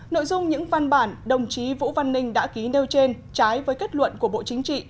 nội dung những văn bản đồng chí vũ văn ninh đã ký nêu trên trái với kết luận của bộ chính trị